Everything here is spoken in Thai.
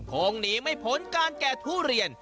คงหนีไม่พ้นการแก่ทุเรียน